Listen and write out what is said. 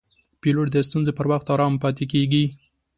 پیلوټ د ستونزو پر وخت آرام پاتې کېږي.